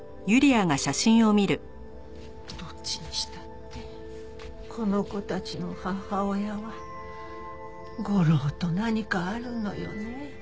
どっちにしたってこの子たちの母親は吾良と何かあるのよね。